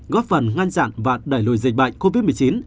góp phần ngăn chặn và đẩy lùi dịch bệnh covid một mươi chín